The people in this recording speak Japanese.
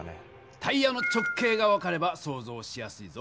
タイヤの直径が分かればそうぞうしやすいぞ。